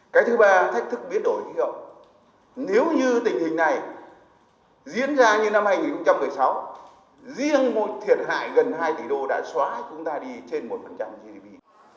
cái thứ ba thách thức viết đổi hiệu nếu như tình hình này diễn ra như năm hai nghìn một mươi sáu riêng một thiệt hại gần hai tỷ đô đã xóa chúng ta đi trên một gì đi